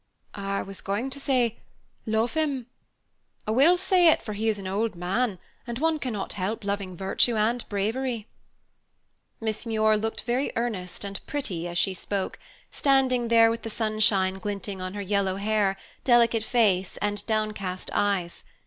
"I was going to say, love him. I will say it, for he is an old man, and one cannot help loving virtue and bravery." Miss Muir looked very earnest and pretty as she spoke, standing there with the sunshine glinting on her yellow hair, delicate face, and downcast eyes.